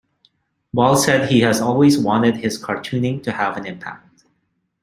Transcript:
Ball said he has always wanted his cartooning to have an impact.